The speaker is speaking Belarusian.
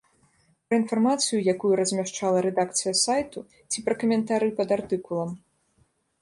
Пра інфармацыю, якую размяшчала рэдакцыя сайту, ці пра каментары пад артыкулам?